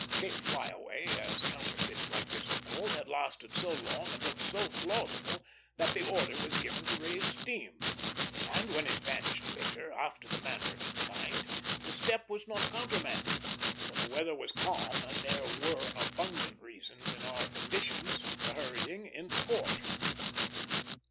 Cape Flyaway, as counterfeits like this are called, had lasted so long and looked so plausible that the order was given to raise steam; and when it vanished later, after the manner of its kind, the step was not countermanded, for the weather was calm and there were abundant reasons in our conditions for hurrying into port.